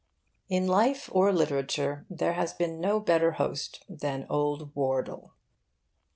In life or literature there has been no better host than Old Wardle.